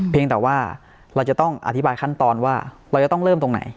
แต่ว่าเราจะต้องอธิบายขั้นตอนว่าเราจะต้องเริ่มตรงไหน